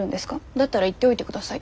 だったら言っておいてください。